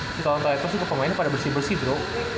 si toronto raptors itu pemainnya pada bersih bersih bro